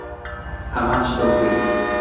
ھەمان شتم کرد.